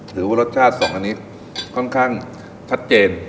ถือว่ารสชาติสองอันนี้ค่อนข้างชัดเจน